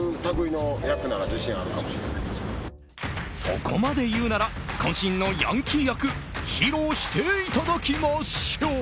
そこまで言うなら渾身のヤンキー役披露していただきましょう。